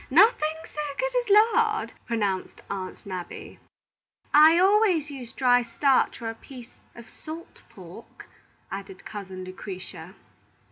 "Nothing so good as lard," pronounced Aunt Nabby. "I always use dry starch or a piece of salt pork," added cousin Lucretia.